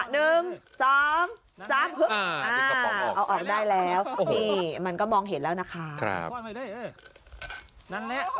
หนึ่งสองสามเอาออกได้แล้วนี่มันก็มองเห็นแล้วนะคะครับ